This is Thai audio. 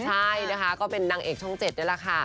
ใช่นะคะก็เป็นนางเอกช่อง๗นี่แหละค่ะ